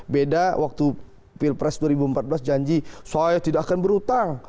beda waktu pilpres dua ribu empat belas janji saya tidak akan berhutang